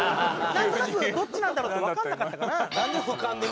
なんとなくどっちなんだろうってわかんなかったから。